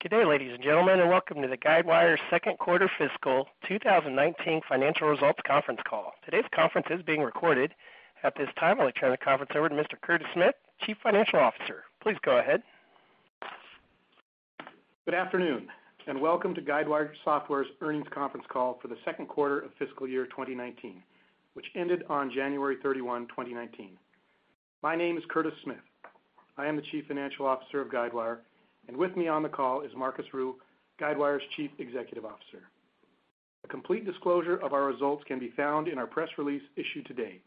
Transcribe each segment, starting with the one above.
Good day, ladies and gentlemen, and welcome to the Guidewire second quarter fiscal 2019 financial results conference call. Today's conference is being recorded. At this time, I'll turn the conference over to Mr. Curtis Smith, Chief Financial Officer. Please go ahead. Good afternoon. Welcome to Guidewire Software's earnings conference call for the second quarter of fiscal year 2019, which ended on January 31, 2019. My name is Curtis Smith. I am the Chief Financial Officer of Guidewire, and with me on the call is Marcus Ryu, Guidewire's Chief Executive Officer. A complete disclosure of our results can be found in our press release issued today,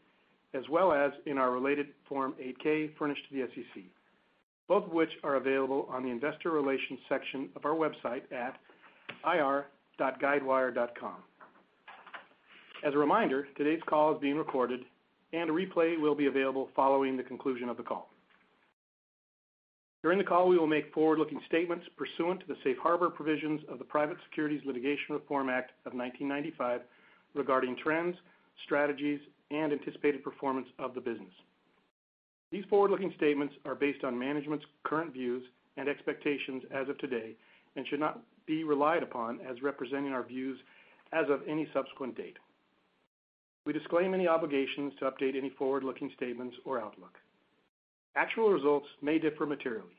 as well as in our related Form 8-K furnished to the SEC, both of which are available on the investor relations section of our website at ir.guidewire.com. As a reminder, today's call is being recorded, and a replay will be available following the conclusion of the call. During the call, we will make forward-looking statements pursuant to the safe harbor provisions of the Private Securities Litigation Reform Act of 1995 regarding trends, strategies, and anticipated performance of the business. These forward-looking statements are based on management's current views and expectations as of today and should not be relied upon as representing our views as of any subsequent date. We disclaim any obligations to update any forward-looking statements or outlook. Actual results may differ materially.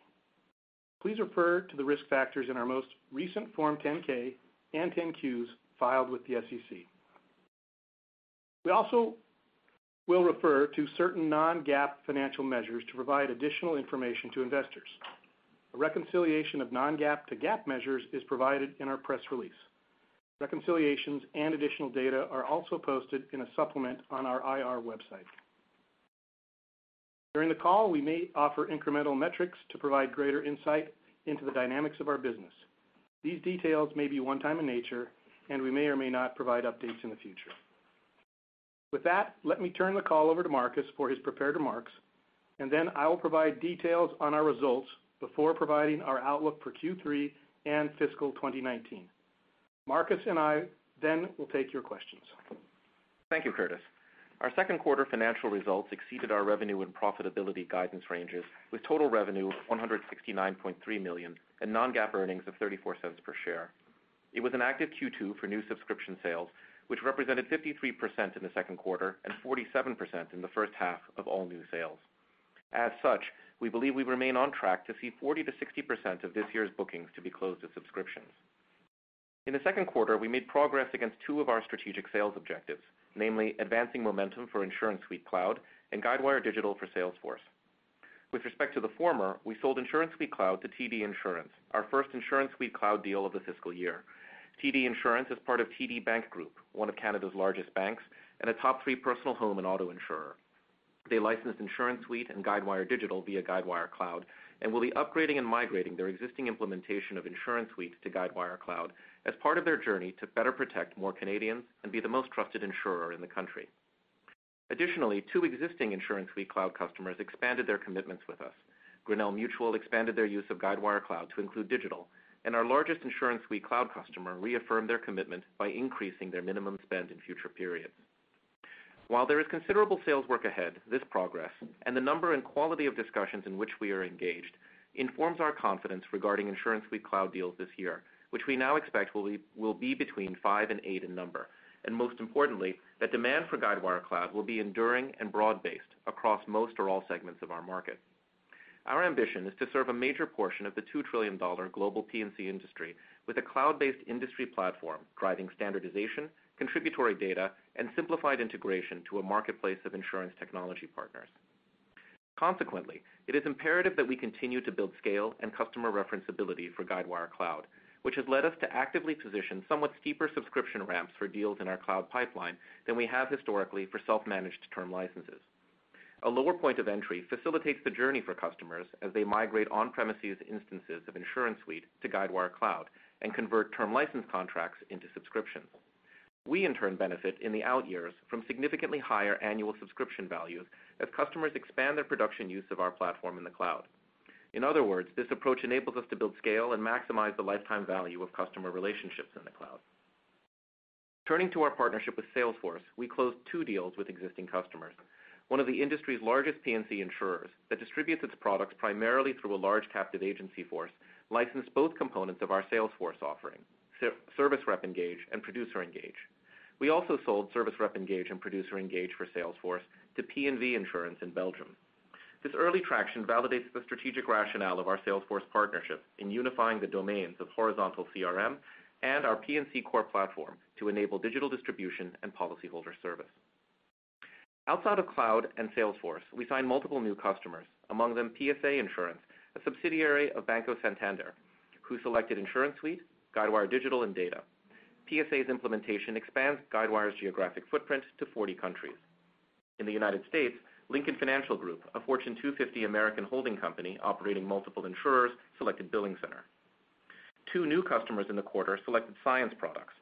Please refer to the risk factors in our most recent Form 10-K and 10-Qs filed with the SEC. We also will refer to certain non-GAAP financial measures to provide additional information to investors. A reconciliation of non-GAAP to GAAP measures is provided in our press release. Reconciliations and additional data are also posted in a supplement on our IR website. During the call, we may offer incremental metrics to provide greater insight into the dynamics of our business. These details may be one-time in nature, and we may or may not provide updates in the future. With that, let me turn the call over to Marcus for his prepared remarks, and then I will provide details on our results before providing our outlook for Q3 and fiscal 2019. Marcus and I then will take your questions. Thank you, Curtis. Our second quarter financial results exceeded our revenue and profitability guidance ranges, with total revenue of $169.3 million and non-GAAP earnings of $0.34 per share. It was an active Q2 for new subscription sales, which represented 53% in the second quarter and 47% in the first half of all new sales. As such, we believe we remain on track to see 40%-60% of this year's bookings to be closed as subscriptions. In the second quarter, we made progress against two of our strategic sales objectives, namely advancing momentum for InsuranceSuite Cloud and Guidewire Digital for Salesforce. With respect to the former, we sold InsuranceSuite Cloud to TD Insurance, our first InsuranceSuite Cloud deal of the fiscal year. TD Insurance is part of TD Bank Group, one of Canada's largest banks, and a top three personal home and auto insurer. They licensed InsuranceSuite and Guidewire Digital via Guidewire Cloud and will be upgrading and migrating their existing implementation of InsuranceSuite to Guidewire Cloud as part of their journey to better protect more Canadians and be the most trusted insurer in the country. Additionally, two existing InsuranceSuite Cloud customers expanded their commitments with us. Grinnell Mutual expanded their use of Guidewire Cloud to include Digital, and our largest InsuranceSuite Cloud customer reaffirmed their commitment by increasing their minimum spend in future periods. While there is considerable sales work ahead, this progress and the number and quality of discussions in which we are engaged informs our confidence regarding InsuranceSuite Cloud deals this year, which we now expect will be between five and eight in number. Most importantly, that demand for Guidewire Cloud will be enduring and broad-based across most or all segments of our market. Our ambition is to serve a major portion of the $2 trillion global P&C industry with a cloud-based industry platform driving standardization, contributory data, and simplified integration to a marketplace of insurance technology partners. Consequently, it is imperative that we continue to build scale and customer referenceability for Guidewire Cloud, which has led us to actively position somewhat steeper subscription ramps for deals in our cloud pipeline than we have historically for self-managed term licenses. A lower point of entry facilitates the journey for customers as they migrate on-premises instances of InsuranceSuite to Guidewire Cloud and convert term license contracts into subscriptions. We, in turn, benefit in the out years from significantly higher annual subscription values as customers expand their production use of our platform in the cloud. In other words, this approach enables us to build scale and maximize the lifetime value of customer relationships in the cloud. Turning to our partnership with Salesforce, we closed two deals with existing customers. One of the industry's largest P&C insurers that distributes its products primarily through a large captive agency force licensed both components of our Salesforce offering, ServiceRepEngage and ProducerEngage. We also sold ServiceRepEngage and ProducerEngage for Salesforce to P&V Group in Belgium. This early traction validates the strategic rationale of our Salesforce partnership in unifying the domains of horizontal CRM and our P&C core platform to enable digital distribution and policyholder service. Outside of Cloud and Salesforce, we signed multiple new customers, among them PSA Insurance, a subsidiary of Banco Santander, who selected InsuranceSuite, Guidewire Digital, and Data. PSA's implementation expands Guidewire's geographic footprint to 40 countries. In the United States, Lincoln Financial Group, a Fortune 250 American holding company operating multiple insurers, selected BillingCenter. Two new customers in the quarter selected Cyence products.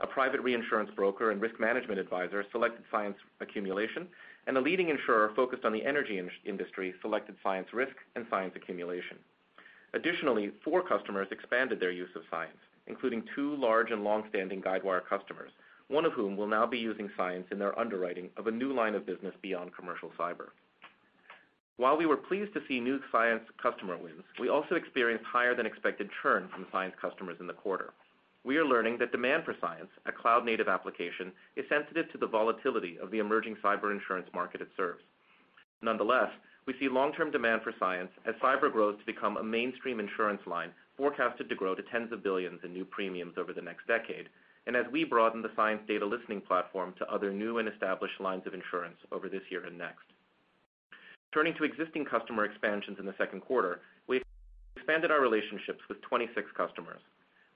A private reinsurance broker and risk management advisor selected Cyence Accumulation, and a leading insurer focused on the energy industry selected Cyence Risk and Cyence Accumulation. Additionally, four customers expanded their use of Cyence, including two large and long-standing Guidewire customers, one of whom will now be using Cyence in their underwriting of a new line of business beyond commercial cyber. While we were pleased to see new Cyence customer wins, we also experienced higher than expected churn from Cyence customers in the quarter. We are learning that demand for Cyence, a cloud-native application, is sensitive to the volatility of the emerging cyber insurance market it serves. We see long-term demand for Cyence as cyber grows to become a mainstream insurance line forecasted to grow to tens of billions in new premiums over the next decade, as we broaden the Cyence data listening platform to other new and established lines of insurance over this year and next. Turning to existing customer expansions in the second quarter, we expanded our relationships with 26 customers.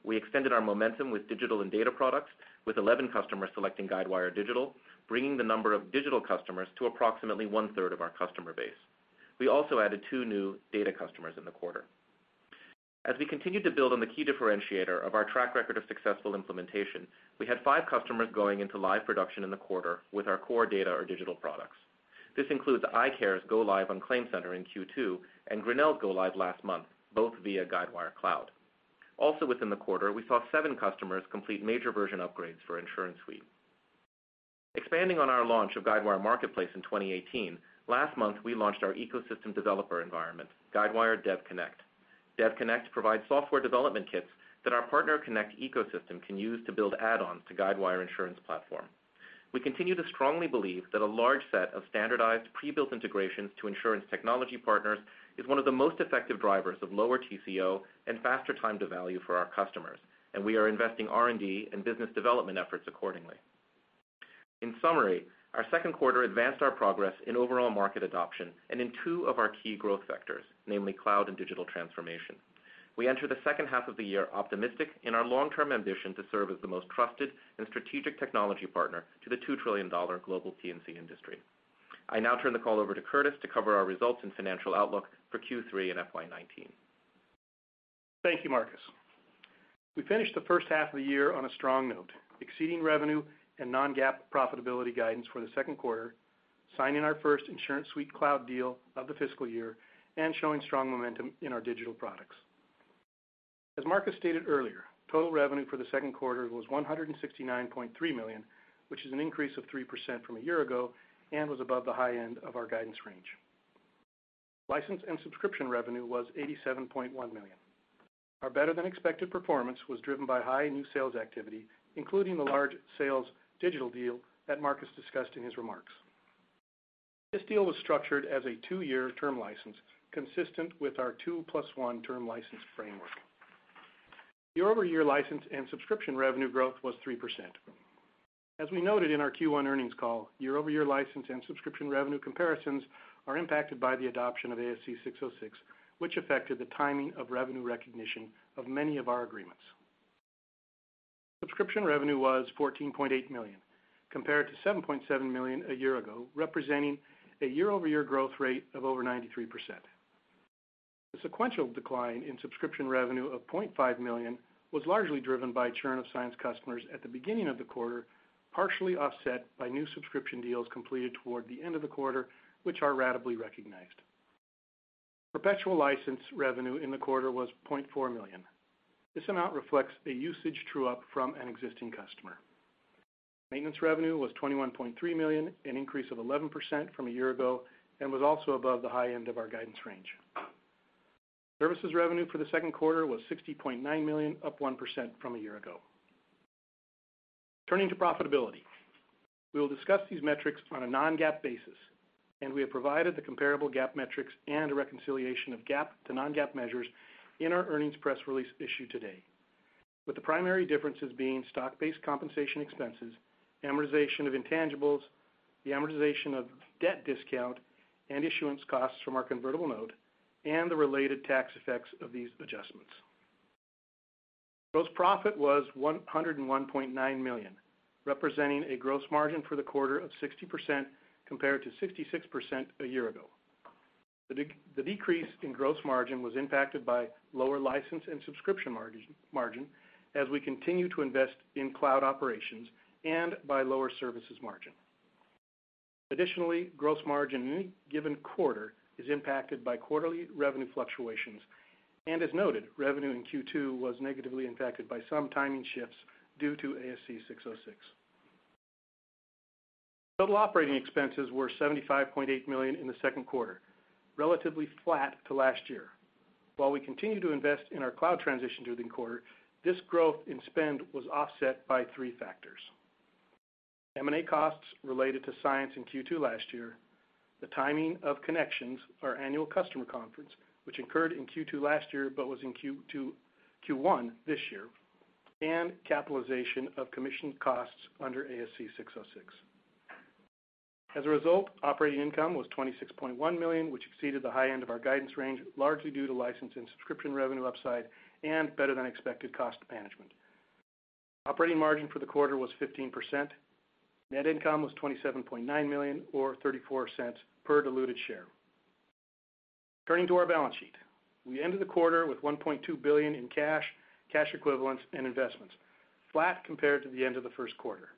We extended our momentum with digital and data products with 11 customers selecting Guidewire Digital, bringing the number of digital customers to approximately one-third of our customer base. We also added two new data customers in the quarter. As we continue to build on the key differentiator of our track record of successful implementation, we had five customers going into live production in the quarter with our core data or digital products. This includes icare's go live on ClaimCenter in Q2 and Grinnell go live last month, both via Guidewire Cloud. Also within the quarter, we saw seven customers complete major version upgrades for InsuranceSuite. Expanding on our launch of Guidewire Marketplace in 2018, last month, we launched our ecosystem developer environment, Guidewire DevConnect. DevConnect provides software development kits that our PartnerConnect ecosystem can use to build add-ons to Guidewire InsurancePlatform. We continue to strongly believe that a large set of standardized pre-built integrations to insurance technology partners is one of the most effective drivers of lower TCO and faster time to value for our customers. We are investing R&D and business development efforts accordingly. Our second quarter advanced our progress in overall market adoption and in two of our key growth vectors, namely cloud and digital transformation. We enter the second half of the year optimistic in our long-term ambition to serve as the most trusted and strategic technology partner to the $2 trillion global P&C industry. I now turn the call over to Curtis to cover our results and financial outlook for Q3 and FY 2019. Thank you, Marcus. We finished the first half of the year on a strong note, exceeding revenue and non-GAAP profitability guidance for the second quarter, signing our first InsuranceSuite Cloud deal of the fiscal year, and showing strong momentum in our digital products. As Marcus stated earlier, total revenue for the second quarter was $169.3 million, which is an increase of 3% from a year ago and was above the high end of our guidance range. License and subscription revenue was $87.1 million. Our better-than-expected performance was driven by high new sales activity, including the large Salesforce digital deal that Marcus discussed in his remarks. This deal was structured as a 2-year term license consistent with our 2-plus-1 term license framework. The year-over-year license and subscription revenue growth was 3%. As we noted in our Q1 earnings call, year-over-year license and subscription revenue comparisons are impacted by the adoption of ASC 606, which affected the timing of revenue recognition of many of our agreements. Subscription revenue was $14.8 million, compared to $7.7 million a year ago, representing a year-over-year growth rate of over 93%. The sequential decline in subscription revenue of $0.5 million was largely driven by churn of Cyence customers at the beginning of the quarter, partially offset by new subscription deals completed toward the end of the quarter, which are ratably recognized. Perpetual license revenue in the quarter was $0.4 million. This amount reflects a usage true-up from an existing customer. Maintenance revenue was $21.3 million, an increase of 11% from a year ago, and was also above the high end of our guidance range. Services revenue for the second quarter was $60.9 million, up 1% from a year ago. Turning to profitability. We will discuss these metrics on a non-GAAP basis, and we have provided the comparable GAAP metrics and a reconciliation of GAAP to non-GAAP measures in our earnings press release issued today, with the primary differences being stock-based compensation expenses, amortization of intangibles, the amortization of debt discount and issuance costs from our convertible note, and the related tax effects of these adjustments. Gross profit was $101.9 million, representing a gross margin for the quarter of 60% compared to 66% a year ago. The decrease in gross margin was impacted by lower license and subscription margin as we continue to invest in cloud operations and by lower services margin. Additionally, gross margin in any given quarter is impacted by quarterly revenue fluctuations, and as noted, revenue in Q2 was negatively impacted by some timing shifts due to ASC 606. Total operating expenses were $75.8 million in the second quarter, relatively flat to last year. While we continue to invest in our cloud transition during the quarter, this growth in spend was offset by 3 factors. M&A costs related to Cyence in Q2 last year, the timing of Connections, our annual customer conference, which occurred in Q2 last year but was in Q1 this year, and capitalization of commission costs under ASC 606. As a result, operating income was $26.1 million, which exceeded the high end of our guidance range, largely due to license and subscription revenue upside and better-than-expected cost management. Operating margin for the quarter was 15%. Net income was $27.9 million or $0.34 per diluted share. Turning to our balance sheet. We ended the quarter with $1.2 billion in cash equivalents, and investments, flat compared to the end of the first quarter.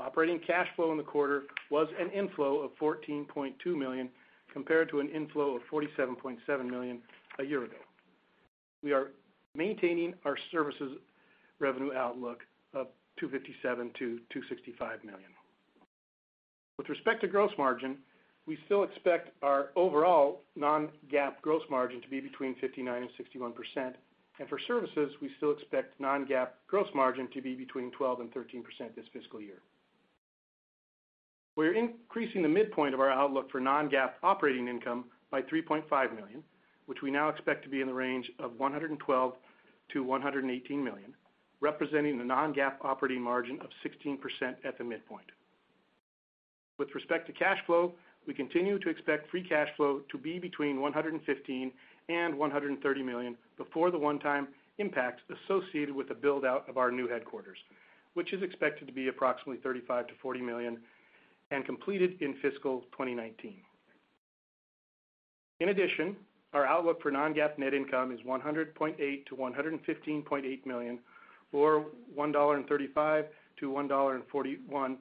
Operating cash flow in the quarter was an inflow of $14.2 million, compared to an inflow of $47.7 million a year ago. We are maintaining our services revenue outlook of $257 million-$265 million. With respect to gross margin, we still expect our overall non-GAAP gross margin to be between 59%-61%, and for services, we still expect non-GAAP gross margin to be between 12%-13% this fiscal year. We're increasing the midpoint of our outlook for non-GAAP operating income by $3.5 million, which we now expect to be in the range of $112 million-$118 million, representing the non-GAAP operating margin of 16% at the midpoint. With respect to cash flow, we continue to expect free cash flow to be between $115 million and $130 million before the one-time impact associated with the build-out of our new headquarters, which is expected to be approximately $35 million-$40 million and completed in fiscal 2019. In addition, our outlook for non-GAAP net income is $100.8 million-$115.8 million, or $1.35-$1.41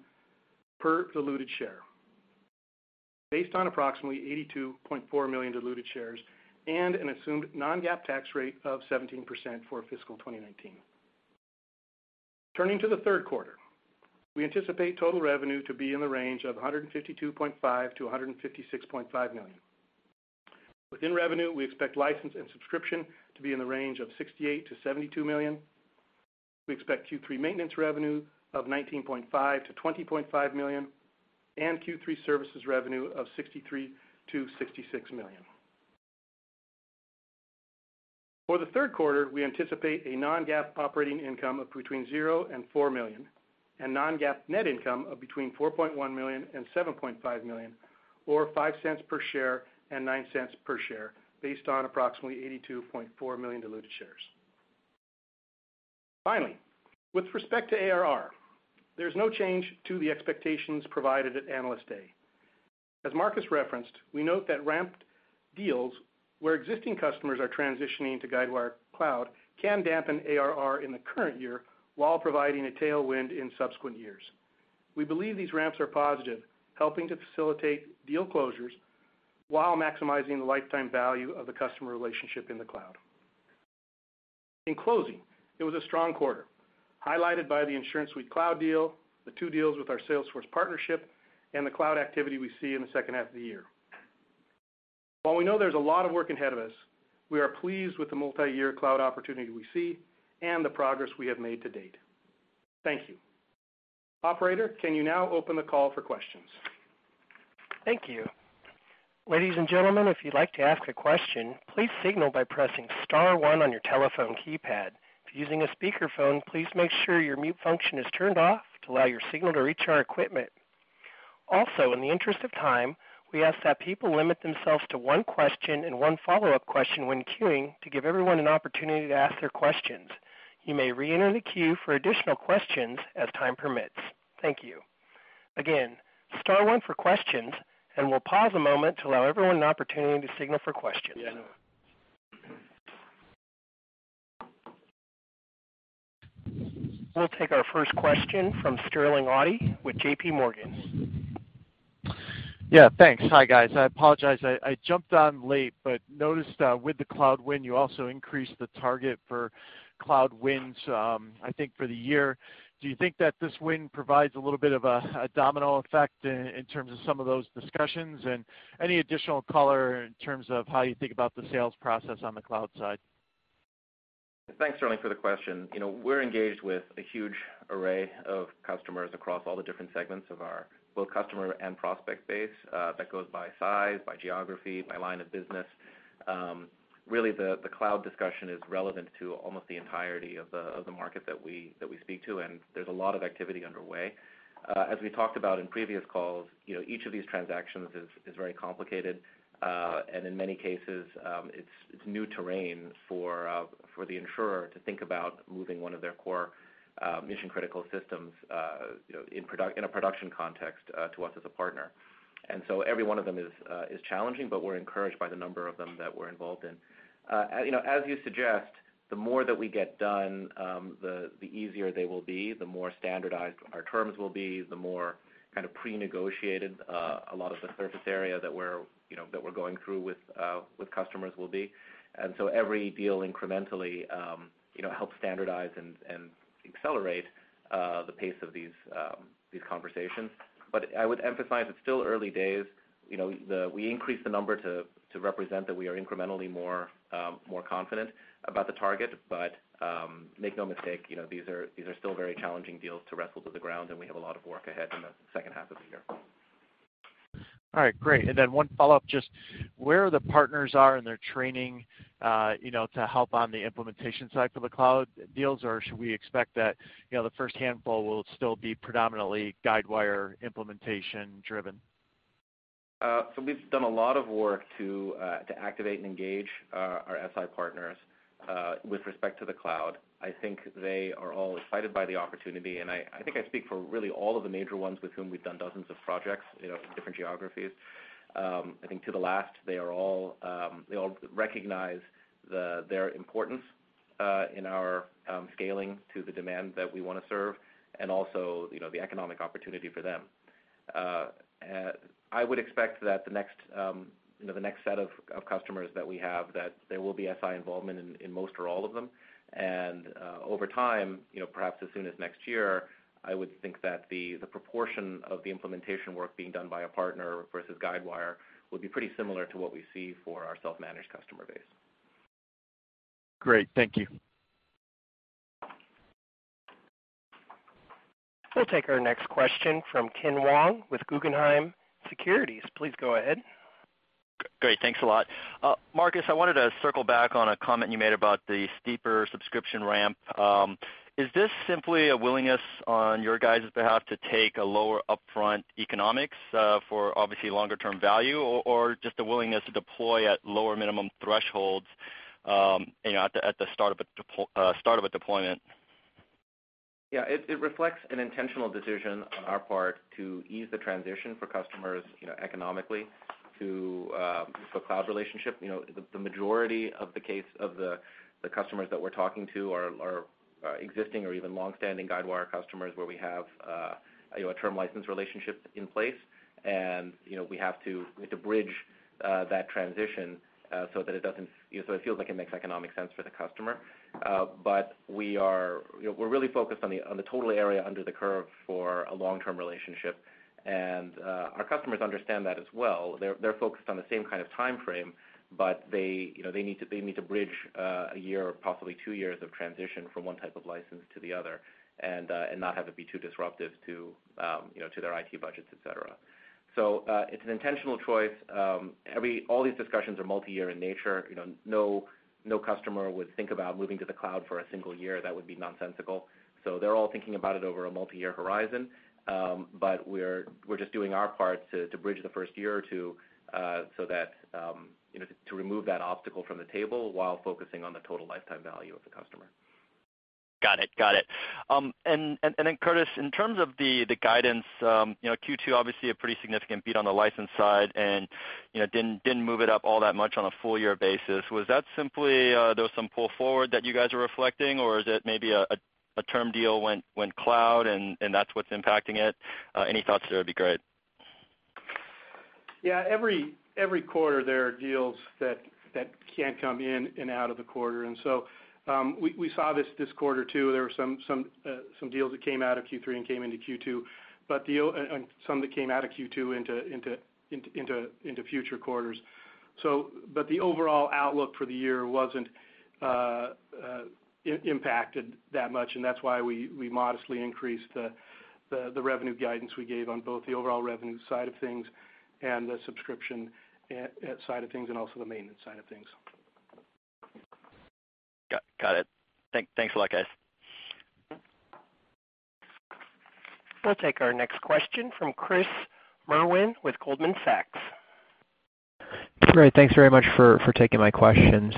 per diluted share, based on approximately 82.4 million diluted shares and an assumed non-GAAP tax rate of 17% for fiscal 2019. Turning to the third quarter, we anticipate total revenue to be in the range of $152.5 million-$156.5 million. Within revenue, we expect license and subscription to be in the range of $68 million-$72 million. We expect Q3 maintenance revenue of $19.5 million-$20.5 million, and Q3 services revenue of $63 million-$66 million. For the third quarter, we anticipate a non-GAAP operating income of between $0 and $4 million, and non-GAAP net income of between $4.1 million and $7.5 million, or $0.05 per share and $0.09 per share based on approximately 82.4 million diluted shares. Finally, with respect to ARR, there's no change to the expectations provided at Analyst Day. As Marcus referenced, we note that ramped deals where existing customers are transitioning to Guidewire Cloud can dampen ARR in the current year while providing a tailwind in subsequent years. We believe these ramps are positive, helping to facilitate deal closures while maximizing the lifetime value of the customer relationship in the cloud. In closing, it was a strong quarter, highlighted by the InsuranceSuite Cloud deal, the two deals with our Salesforce partnership, and the cloud activity we see in the second half of the year. While we know there's a lot of work ahead of us, we are pleased with the multiyear cloud opportunity we see and the progress we have made to date. Thank you. Operator, can you now open the call for questions? Thank you. Ladies and gentlemen, if you'd like to ask a question, please signal by pressing *1 on your telephone keypad. If using a speakerphone, please make sure your mute function is turned off to allow your signal to reach our equipment. Also, in the interest of time, we ask that people limit themselves to one question and one follow-up question when queuing to give everyone an opportunity to ask their questions. You may reenter the queue for additional questions as time permits. Thank you. Again, *1 for questions, and we'll pause a moment to allow everyone an opportunity to signal for questions. Yeah. We'll take our first question from Sterling Auty with JPMorgan. Thanks, Sterling, for the question. We're engaged with a huge array of customers across all the different segments of our both customer and prospect base that goes by size, by geography, by line of business. As you suggest, the more that we get done, the easier they will be, the more standardized our terms will be, the more kind of prenegotiated a lot of the surface area that we're going through with customers will be. Every deal incrementally helps standardize and accelerate the pace of these conversations. I would emphasize it's still early days. We increased the number to represent that we are incrementally more confident about the target. Make no mistake, these are still very challenging deals to wrestle to the ground, and we have a lot of work ahead in the second half of the year. All right, great. One follow-up, just where the partners are in their training to help on the implementation side for the cloud deals, or should we expect that the first handful will still be predominantly Guidewire implementation driven? We've done a lot of work to activate and engage our SI partners with respect to the cloud. I think they are all excited by the opportunity, and I think I speak for really all of the major ones with whom we've done dozens of projects, different geographies. I think to the last, they all recognize their importance In our scaling to the demand that we want to serve and also the economic opportunity for them. I would expect that the next set of customers that we have, that there will be SI involvement in most or all of them. Over time, perhaps as soon as next year, I would think that the proportion of the implementation work being done by a partner versus Guidewire would be pretty similar to what we see for our self-managed customer base. Great. Thank you. We'll take our next question from Ken Wong with Guggenheim Securities. Please go ahead. Great. Thanks a lot. Marcus, I wanted to circle back on a comment you made about the steeper subscription ramp. Is this simply a willingness on your guys' behalf to take a lower upfront economics for obviously longer-term value, or just the willingness to deploy at lower minimum thresholds at the start of a deployment? Yeah. It reflects an intentional decision on our part to ease the transition for customers economically to a cloud relationship. The majority of the customers that we're talking to are existing or even long-standing Guidewire customers where we have a term license relationship in place, and we have to bridge that transition so it feels like it makes economic sense for the customer. We're really focused on the total area under the curve for a long-term relationship. Our customers understand that as well. They're focused on the same kind of timeframe, but they need to bridge a year, possibly two years of transition from one type of license to the other and not have it be too disruptive to their IT budgets, et cetera. It's an intentional choice. All these discussions are multi-year in nature. No customer would think about moving to the cloud for a single year. That would be nonsensical. They're all thinking about it over a multi-year horizon. We're just doing our part to bridge the first year or two to remove that obstacle from the table while focusing on the total lifetime value of the customer. Got it. Curtis, in terms of the guidance, Q2 obviously a pretty significant beat on the license side and didn't move it up all that much on a full-year basis. Was that simply there was some pull forward that you guys are reflecting, or is it maybe a term deal went cloud and that's what's impacting it? Any thoughts there would be great. Yeah. Every quarter there are deals that can come in and out of the quarter. We saw this this quarter too. There were some deals that came out of Q3 and came into Q2, and some that came out of Q2 into future quarters. The overall outlook for the year wasn't impacted that much, and that's why we modestly increased the revenue guidance we gave on both the overall revenue side of things and the subscription side of things, and also the maintenance side of things. Got it. Thanks a lot, guys. We'll take our next question from Chris Merwin with Goldman Sachs. Great. Thanks very much for taking my question.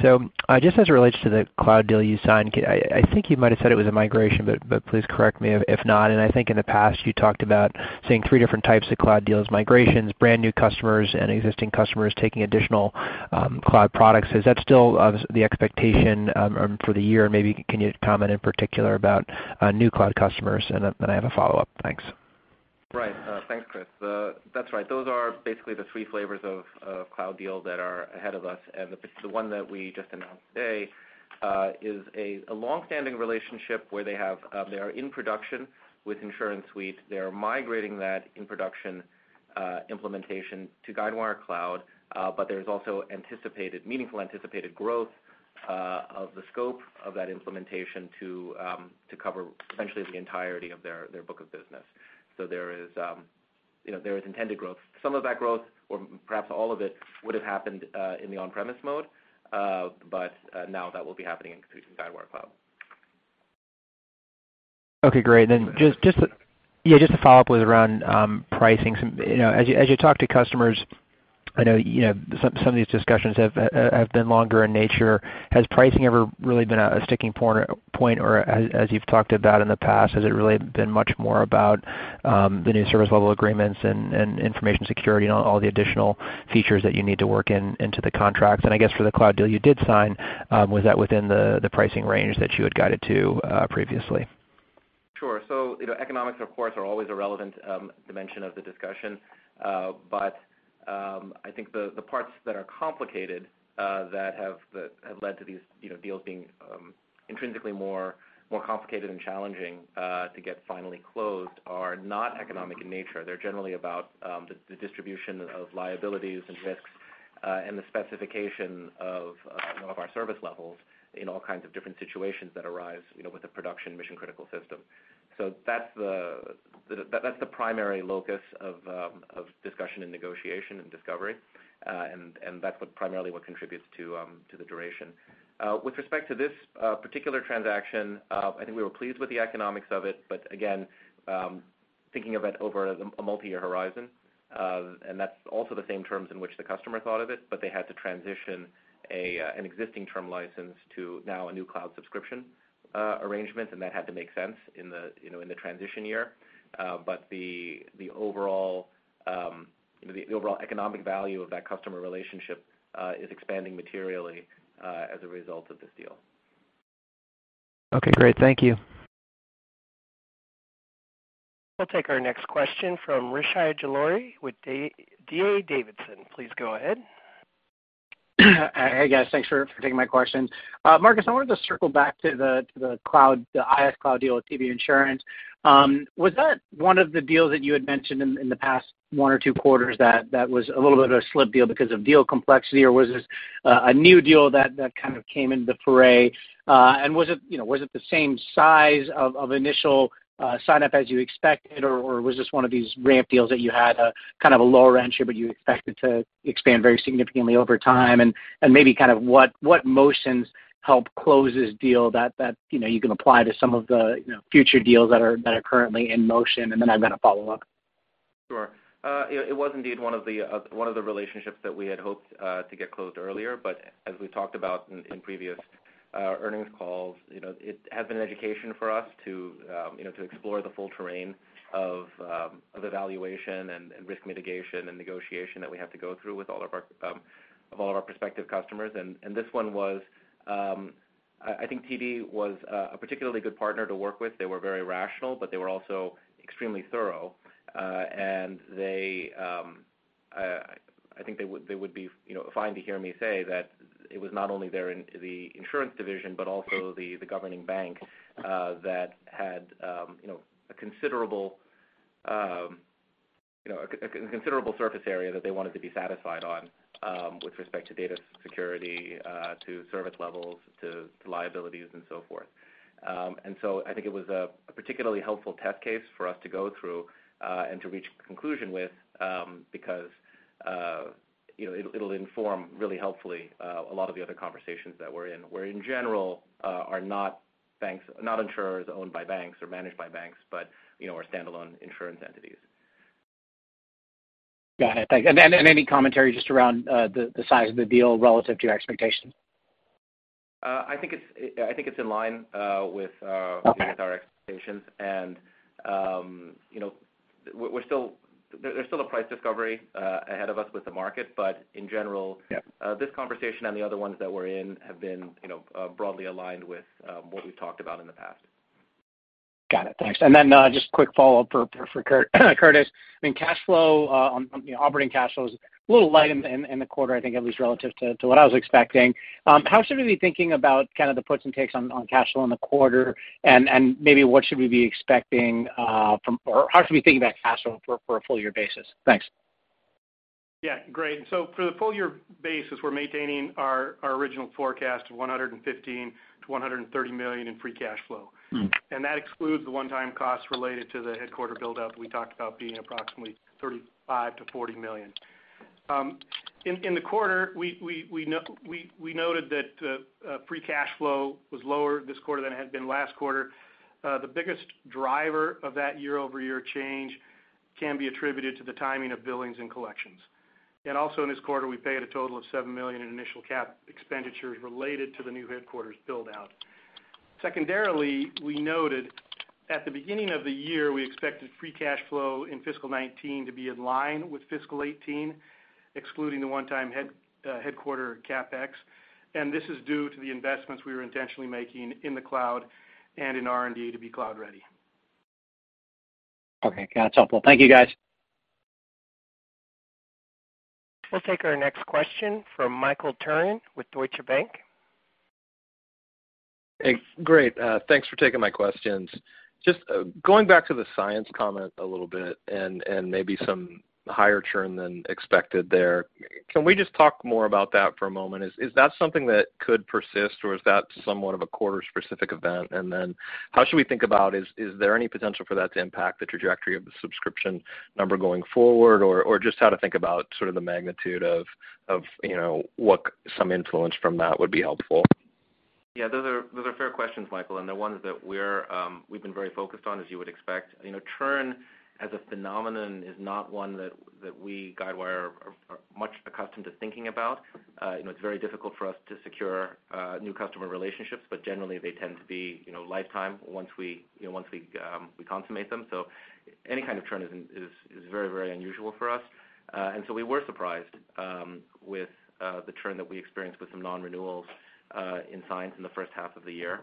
Just as it relates to the cloud deal you signed, I think you might've said it was a migration, but please correct me if not. I think in the past you talked about seeing three different types of cloud deals, migrations, brand new customers, and existing customers taking additional cloud products. Is that still the expectation for the year? Maybe can you comment in particular about new cloud customers? I have a follow-up. Thanks. Right. Thanks, Chris. That's right. Those are basically the three flavors of cloud deals that are ahead of us, and the one that we just announced today is a long-standing relationship where they are in production with InsuranceSuite. They are migrating that in production implementation to Guidewire Cloud. There's also meaningful anticipated growth of the scope of that implementation to cover essentially the entirety of their book of business. There is intended growth. Some of that growth, or perhaps all of it, would have happened in the on-premise mode. Now that will be happening in Guidewire Cloud. Okay, great. Just to follow up with around pricing. As you talk to customers, I know some of these discussions have been longer in nature. Has pricing ever really been a sticking point, or as you've talked about in the past, has it really been much more about the new service level agreements and information security and all the additional features that you need to work into the contracts? I guess for the cloud deal you did sign, was that within the pricing range that you had guided to previously? Sure. Economics, of course, are always a relevant dimension of the discussion. I think the parts that are complicated that have led to these deals being intrinsically more complicated and challenging to get finally closed are not economic in nature. They're generally about the distribution of liabilities and risks, and the specification of our service levels in all kinds of different situations that arise with a production mission-critical system. That's the primary locus of discussion and negotiation and discovery. That's primarily what contributes to the duration. With respect to this particular transaction, I think we were pleased with the economics of it, but again, thinking of it over a multi-year horizon. That's also the same terms in which the customer thought of it. They had to transition an existing term license to now a new cloud subscription arrangement, and that had to make sense in the transition year. The overall economic value of that customer relationship is expanding materially as a result of this deal. Okay, great. Thank you. We'll take our next question from Rishi Jaluria with D.A. Davidson. Please go ahead. Hey, guys. Thanks for taking my questions. Marcus, I wanted to circle back to the InsuranceSuite Cloud deal with TD Insurance. Was that one of the deals that you had mentioned in the past one or two quarters that was a little bit of a slip deal because of deal complexity? Was this a new deal that kind of came into the fray? Was it the same size of initial sign-up as you expected, or was this one of these ramp deals that you had kind of a lower entry, but you expected to expand very significantly over time? Maybe kind of what motions helped close this deal that you can apply to some of the future deals that are currently in motion? Then I've got a follow-up. Sure. It was indeed one of the relationships that we had hoped to get closed earlier. As we talked about in previous earnings calls, it has been an education for us to explore the full terrain of evaluation and risk mitigation and negotiation that we have to go through with all of our prospective customers. This one was, I think TD was a particularly good partner to work with. They were very rational, but they were also extremely thorough. I think they would be fine to hear me say that it was not only the insurance division but also the governing bank that had a considerable surface area that they wanted to be satisfied on with respect to data security, to service levels, to liabilities and so forth. I think it was a particularly helpful test case for us to go through and to reach conclusion with because it'll inform really helpfully a lot of the other conversations that we're in. Where in general are not insurers owned by banks or managed by banks, but are standalone insurance entities. Got it. Thank you. Any commentary just around the size of the deal relative to your expectations? I think it's in line with- Okay with our expectations. There's still a price discovery ahead of us with the market. In general- Yep this conversation and the other ones that we're in have been broadly aligned with what we've talked about in the past. Got it. Thanks. Then just quick follow-up for Curtis. I mean, operating cash flow is a little light in the quarter, I think, at least relative to what I was expecting. How should we be thinking about kind of the puts and takes on cash flow in the quarter? Maybe what should we be expecting from, or how should we think about cash flow for a full-year basis? Thanks. Great. For the full-year basis, we're maintaining our original forecast of $115 million-$130 million in free cash flow. That excludes the one-time cost related to the headquarter build-up we talked about being approximately $35 million-$40 million. In the quarter, we noted that free cash flow was lower this quarter than it had been last quarter. The biggest driver of that year-over-year change can be attributed to the timing of billings and collections. Also in this quarter, we paid a total of $7 million in initial Cap expenditures related to the new headquarters build-out. Secondarily, we noted at the beginning of the year, we expected free cash flow in fiscal 2019 to be in line with fiscal 2018, excluding the one-time headquarter CapEx, and this is due to the investments we were intentionally making in the cloud and in R&D to be cloud-ready. Okay. That's helpful. Thank you, guys. We'll take our next question from Michael Turrin with Deutsche Bank. Hey, great. Thanks for taking my questions. Just going back to the Cyence comment a little bit and maybe some higher churn than expected there. Can we just talk more about that for a moment? Is that something that could persist, or is that somewhat of a quarter-specific event? How should we think about, is there any potential for that to impact the trajectory of the subscription number going forward? Or just how to think about sort of the magnitude of what some influence from that would be helpful. Yeah, those are fair questions, Michael, and they're ones that we've been very focused on, as you would expect. Churn as a phenomenon is not one that we, Guidewire, are much accustomed to thinking about. It's very difficult for us to secure new customer relationships, but generally, they tend to be lifetime once we consummate them. Any kind of churn is very unusual for us. We were surprised with the churn that we experienced with some non-renewals in Cyence in the first half of the year.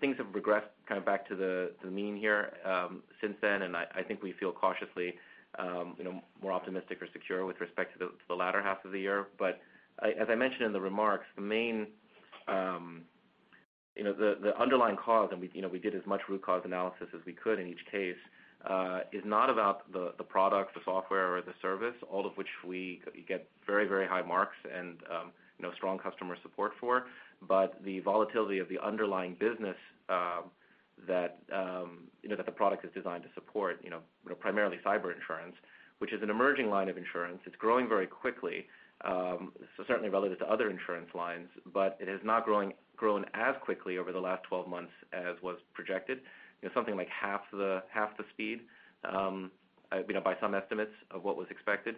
Things have regressed kind of back to the mean here since then, and I think we feel cautiously more optimistic or secure with respect to the latter half of the year. As I mentioned in the remarks, the underlying cause, and we did as much root cause analysis as we could in each case, is not about the product, the software, or the service. All of which we get very high marks and strong customer support for. The volatility of the underlying business that the product is designed to support, primarily cyber insurance, which is an emerging line of insurance. It's growing very quickly, certainly relative to other insurance lines, but it has not grown as quickly over the last 12 months as was projected. Something like half the speed by some estimates of what was expected.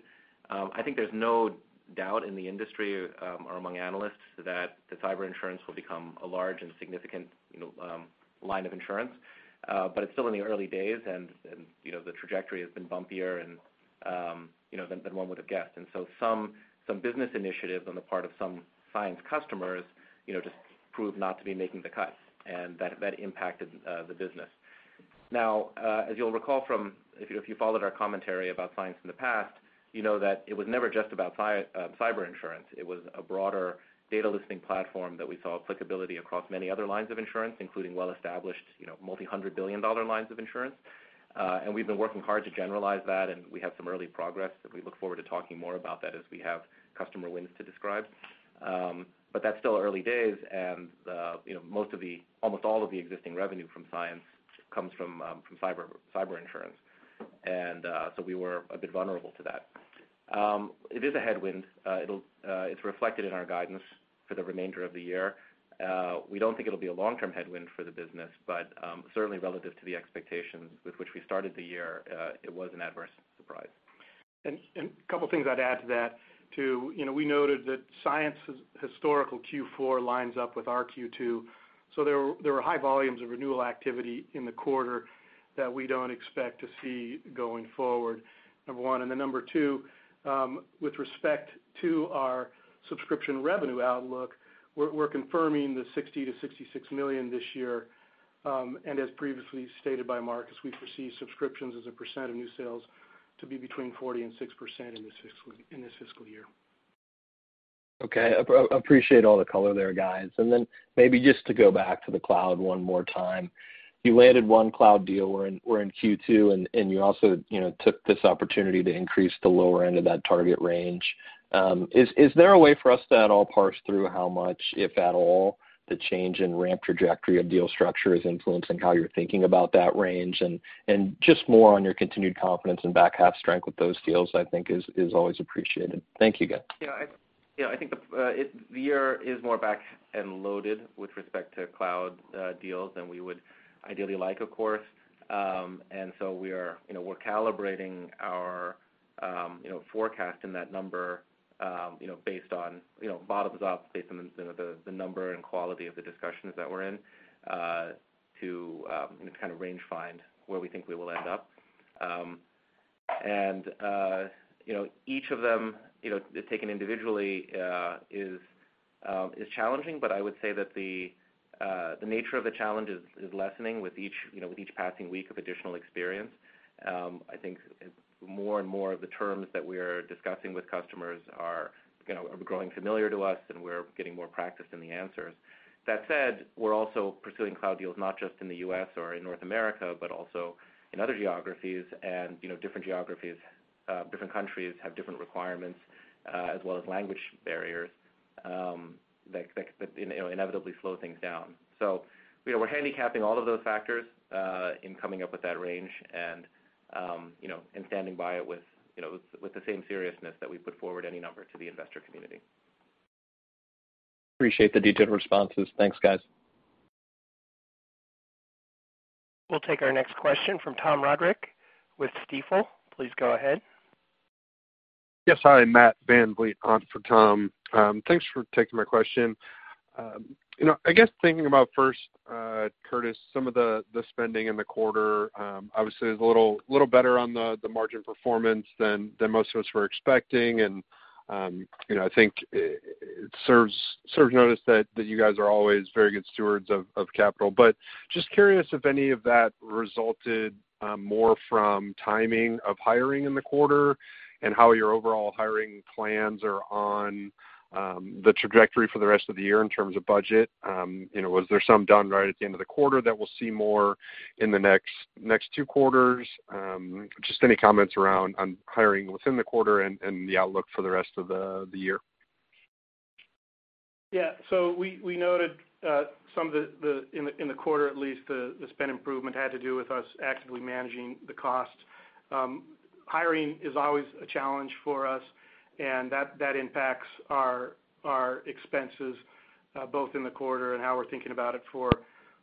I think there's no doubt in the industry or among analysts that cyber insurance will become a large and significant line of insurance. It's still in the early days, and the trajectory has been bumpier than one would have guessed. Some business initiatives on the part of some Cyence customers just prove not to be making the cut, and that impacted the business. Now, as you'll recall, if you followed our commentary about Cyence in the past, you know that it was never just about cyber insurance. It was a broader data listing platform that we saw applicability across many other lines of insurance, including well-established multi-hundred billion dollar lines of insurance. We've been working hard to generalize that, and we have some early progress that we look forward to talking more about that as we have customer wins to describe. That's still early days, and almost all of the existing revenue from Cyence comes from cyber insurance. We were a bit vulnerable to that. It is a headwind. It's reflected in our guidance for the remainder of the year. We don't think it'll be a long-term headwind for the business, certainly relative to the expectations with which we started the year, it was an adverse surprise. A couple things I'd add to that, too. We noted that Cyence's historical Q4 lines up with our Q2, there were high volumes of renewal activity in the quarter that we don't expect to see going forward, number one. Number two, with respect to our subscription revenue outlook, we're confirming the $60 million-$66 million this year. As previously stated by Marcus, we foresee subscriptions as a percent of new sales to be between 40% and 60% in this fiscal year. Okay. Appreciate all the color there, guys. Maybe just to go back to the cloud one more time. You landed one cloud deal. We're in Q2, you also took this opportunity to increase the lower end of that target range. Is there a way for us to at all parse through how much, if at all, the change in ramp trajectory of deal structure is influencing how you're thinking about that range? Just more on your continued confidence and back half strength with those deals, I think is always appreciated. Thank you, guys. Yeah. I think the year is more backed and loaded with respect to cloud deals than we would ideally like, of course. We're calibrating our forecast in that number bottoms up based on the number and quality of the discussions that we're in to just kind of range find where we think we will end up. Each of them taken individually is challenging, I would say that the nature of the challenge is lessening with each passing week of additional experience. I think more and more of the terms that we're discussing with customers are growing familiar to us, and we're getting more practice in the answers. That said, we're also pursuing cloud deals, not just in the U.S. or in North America, but also in other geographies. Different geographies, different countries have different requirements, as well as language barriers that inevitably slow things down. We are handicapping all of those factors in coming up with that range and standing by it with the same seriousness that we put forward any number to the investor community. Appreciate the detailed responses. Thanks, guys. We will take our next question from Tom Roderick with Stifel. Please go ahead. Yes. Hi, Matt VanVleet on for Tom. Thanks for taking my question. I guess thinking about first, Curtis, some of the spending in the quarter. Obviously, it was a little better on the margin performance than most of us were expecting, and I think it serves notice that you guys are always very good stewards of capital. Just curious if any of that resulted more from timing of hiring in the quarter and how your overall hiring plans are on the trajectory for the rest of the year in terms of budget. Was there some done right at the end of the quarter that we will see more in the next two quarters? Just any comments around on hiring within the quarter and the outlook for the rest of the year. Yeah. We noted in the quarter at least, the spend improvement had to do with us actively managing the cost. Hiring is always a challenge for us, and that impacts our expenses both in the quarter and how we're thinking about it for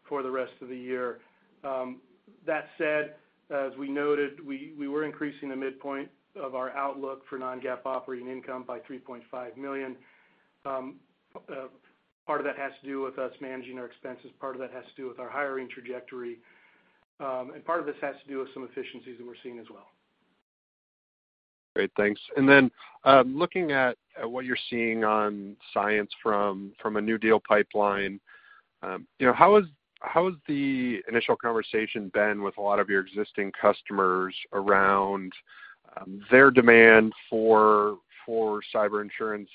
the rest of the year. That said, as we noted, we were increasing the midpoint of our outlook for non-GAAP operating income by $3.5 million. Part of that has to do with us managing our expenses, part of that has to do with our hiring trajectory, and part of this has to do with some efficiencies that we're seeing as well. Great, thanks. Looking at what you're seeing on Cyence from a new deal pipeline, how has the initial conversation been with a lot of your existing customers around their demand for cyber insurance